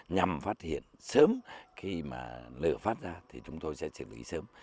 nhằm phát hiện sớm khi mà lửa phát ra thì chúng tôi sẽ xử lý sớm